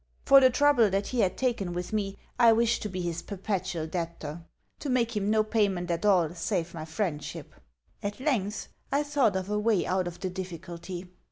For the trouble that he had taken with me I wished to be his perpetual debtor to make him no payment at all save my friendship. At length, I thought of a way out of the difficulty.